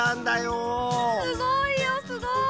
すごいよすごい。